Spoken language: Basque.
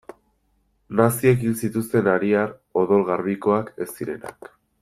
Naziek hil zituzten ariar odol garbikoak ez zirenak.